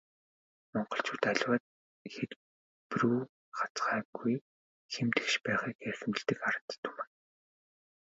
Монголчууд аливаад хэлбэрүү хазгайгүй, хэм тэгш байхыг эрхэмлэдэг ард түмэн.